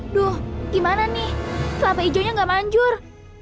aduh gimana nih kelapa hijaunya gak manjur